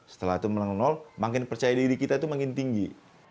setelah itu menang makin percaya diri kita itu makin tinggi